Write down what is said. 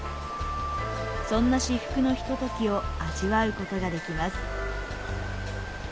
そんな至福のひとときを味わうことができます。